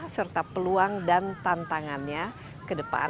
serta peluang dan tantangannya ke depan